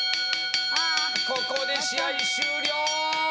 ここで試合終了！